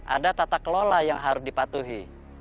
ada tata kelola yang harus dipatuhi